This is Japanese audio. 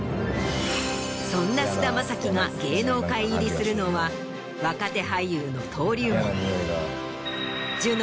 そんな菅田将暉が芸能界入りするのは若手俳優の登竜門。